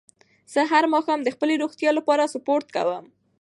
زه هر ماښام د خپلې روغتیا لپاره سپورت کووم